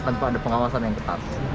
tanpa ada pengawasan yang ketat